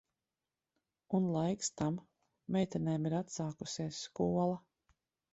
Un laiks tam. Meitenēm ir atsākusies skola.